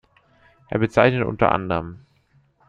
Er bezeichnet unter anderem